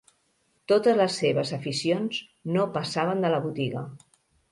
Totes les seves aficions, no passaven de la botiga.